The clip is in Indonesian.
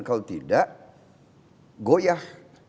kalau tidak goyah